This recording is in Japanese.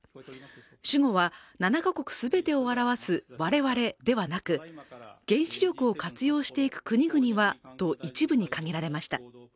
主語は７か国全てを表す我々ではなく、原子力を活用していく国々はと一部に限られました。